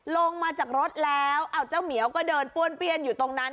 ลงมาจากรถแล้วเจ้าเหมียวก็เดินป้วนเปี้ยนอยู่ตรงนั้น